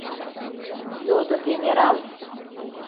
— йодо генерал.